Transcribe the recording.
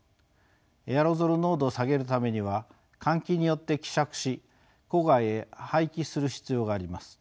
エアロゾル濃度を下げるためには換気によって希釈し戸外へ排気する必要があります。